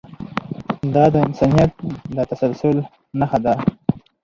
دا د انسانیت د تسلسل نښه ده.